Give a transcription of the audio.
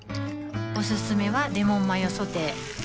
おすすめはレモンマヨソテー